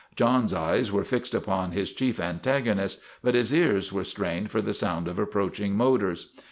John's eyes were fixed upon his chief antagonist, but his ears were strained for the sound of approaching motors.